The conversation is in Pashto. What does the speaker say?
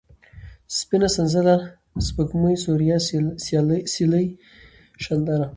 سپينه ، سنځله ، سپوږمۍ ، سوریا ، سېلۍ ، شانداره